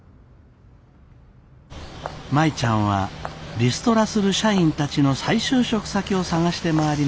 舞ちゃんはリストラする社員たちの再就職先を探して回りました。